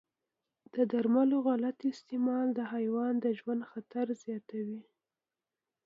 د درملو غلط استعمال د حیوان د ژوند خطر زیاتوي.